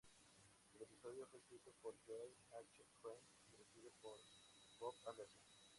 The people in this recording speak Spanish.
El episodio fue escrito por Joel H. Cohen y dirigido por Bob Anderson.